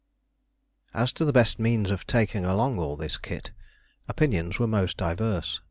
As to the best means of taking along all this kit, opinions were most diverse.